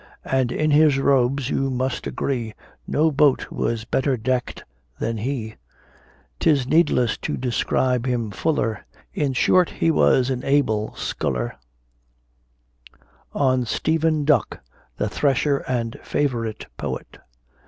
And in his robes you must agree, No Boat was better dekt than he. 'Tis needless to describe him fuller, In short he was an able sculler. ON STEPHEN DUCK, THE THRESHER AND FAVORITE POET.